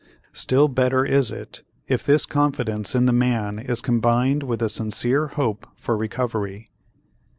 Still better is it if this confidence in the man is combined with a sincere hope for recovery.